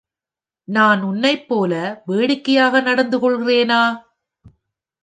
நான் உன்னைப் போல வேடிக்கையாக நடந்துக்கொள்கிறேனா?